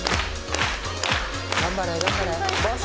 頑張れ頑張れ帽子